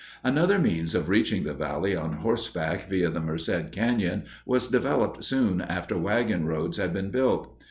Another means of reaching the valley on horseback via the Merced Canyon was developed soon after wagon roads had been built.